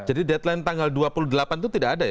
jadi deadline tanggal dua puluh delapan itu tidak ada ya